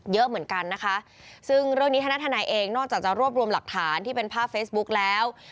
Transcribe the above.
เยอะเหมือนกันนะคะซึ่งเรื่องนี้ธนาธนายเองนอกจากจะรวบรวมหลักฐานที่เป็นภาพเฟซบุ๊กแล้ว